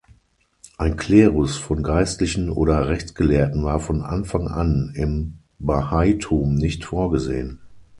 Ein Klerus von Geistlichen oder Rechtsgelehrten war von Anfang an im Bahaitum nicht vorgesehen.